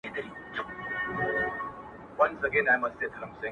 د زړو شرابو ډکي دوې پیالې دي,